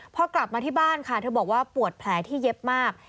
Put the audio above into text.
พอกลับมาที่บ้านค่ะเธอบอกว่าปวดแผลที่เย็บมาก